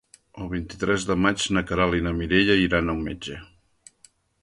El vint-i-tres de maig na Queralt i na Mireia iran al metge.